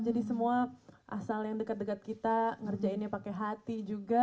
jadi semua asal yang dekat dekat kita ngerjainnya pakai hati juga